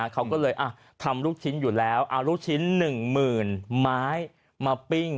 เขาก็เลยทำลูกชิ้นอยู่แล้วเอาลูกชิ้น๑๐๐๐ไม้มาปิ้ง